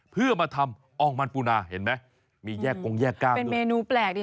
เพื่อมาทำอ่องมันปูนาเห็นไหมมีแยกกงแยกก้างเป็นเมนูแปลกดี